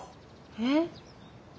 えっ？